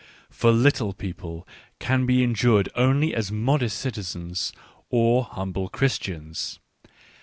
For little people can be endured only as modest citizeps or humble Christians.